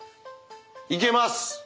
いけます。